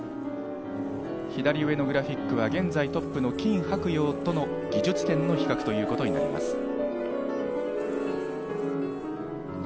左上のグラフィックは現在トップのキン・ハクヨウとの技術点の比較ということになります。